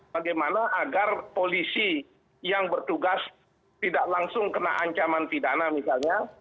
bagaimana agar polisi yang bertugas tidak langsung kena ancaman pidana misalnya